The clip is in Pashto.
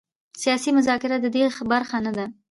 سیاسي مذاکره د دې برخه نه ده.